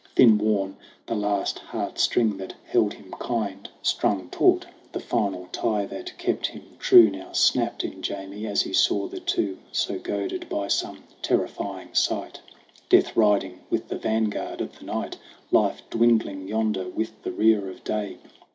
Thin worn, the last heart string that held him kind ; GRAYBEARD AND GOLDHAIR 25 Strung taut, the final tie that kept him true Now snapped in Jamie, as he saw the two So goaded by some terrifying sight. Death riding with the vanguard of the Night, Life dwindling yonder with the rear of Day